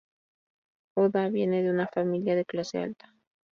Oda viene de una familia de clase alta.